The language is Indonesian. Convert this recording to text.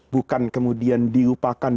bukan kemudian dilupakan